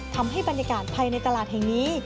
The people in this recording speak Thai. ทำให้บรรยากาศภายในตลาดแห่งนี้